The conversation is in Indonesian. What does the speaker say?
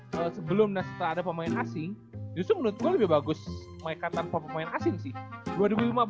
kalau sebelum ada pemain asing justru menurut gue lebih bagus mereka tanpa pemain asing sih